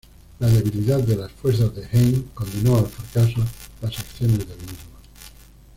La debilidad de las fuerzas de Heim condenó al fracaso las acciones del mismo.